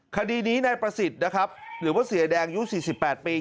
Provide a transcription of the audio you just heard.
คดีนี้นายประสิทธิ์หรือว่าเสียแดงยุค๔๘ปี